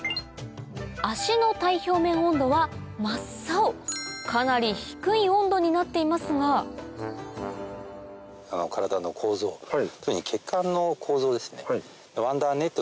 足の体表面温度は真っ青かなり低い温度になっていますが体の構造特に。